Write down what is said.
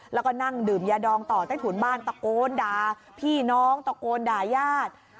แล้วก็นั่งดื่มยาดองต่อใต้ถุนบ้านตะโกนด่าพี่น้องตะโกนด่ายาด